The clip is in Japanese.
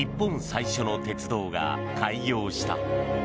最初の鉄道が開業した。